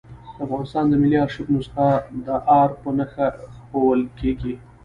د افغانستان د ملي آرشیف نسخه د آر په نخښه ښوول کېږي.